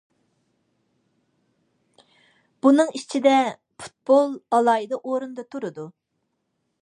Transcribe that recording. بۇنىڭ ئىچىدە پۇتبول ئالاھىدە ئورۇندا تۇرىدۇ.